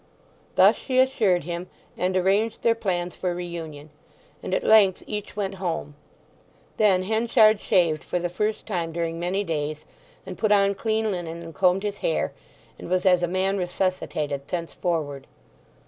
Thus she assured him, and arranged their plans for reunion; and at length each went home. Then Henchard shaved for the first time during many days, and put on clean linen, and combed his hair; and was as a man resuscitated thenceforward.